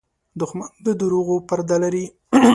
دښمن د دروغو پرده لري